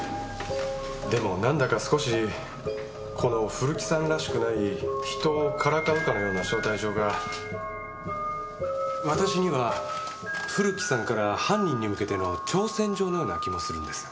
でもなんだか少しこの古木さんらしくない人をからかうかのような招待状が私には古木さんから犯人に向けての挑戦状のような気もするんです。